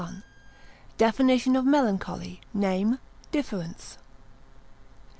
—Definition of Melancholy, Name, Difference.